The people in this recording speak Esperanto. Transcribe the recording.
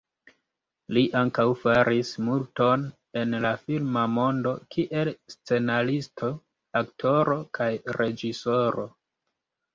Li ankaŭ faris multon en la filma mondo kiel scenaristo, aktoro kaj reĝisoro.